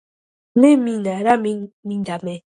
მე მინა რა მინდა მე